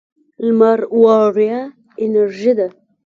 لمر وړیا انرژي ده.